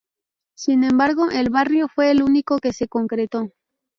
Sin embargo, el barrio fue el único que se concretó.